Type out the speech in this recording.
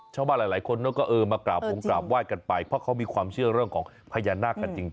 ชาวบ้านหลายคนก็เออมากราบหงกราบไห้กันไปเพราะเขามีความเชื่อเรื่องของพญานาคกันจริง